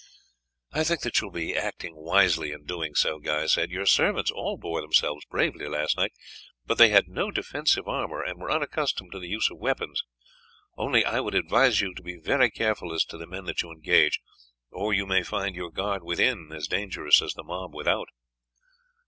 "I think that you will act wisely in doing so," Guy said. "Your servants all bore themselves bravely last night, but they had no defensive armour and were unaccustomed to the use of weapons. Only I would advise you to be very careful as to the men that you engage, or you may find your guard within as dangerous as the mob without."